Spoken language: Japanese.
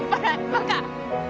バカ！